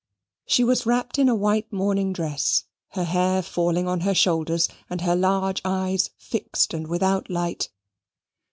She was wrapped in a white morning dress, her hair falling on her shoulders, and her large eyes fixed and without light.